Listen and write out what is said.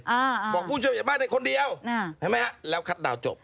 อ่าอ่าบอกผู้ชายไม่ได้คนเดียวอ่าเห็นไหมฮะแล้วคัดดาวจบ